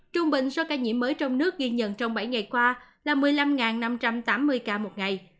trung bình số ca nhiễm mới trong nước ghi nhận trong bảy ngày qua là một mươi năm năm trăm tám mươi ca một ngày